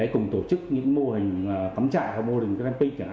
cùng tổ chức những mô hình tắm chạy hoặc mô hình camping